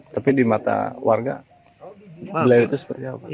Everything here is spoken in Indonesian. tapi di mata warga beliau itu seperti apa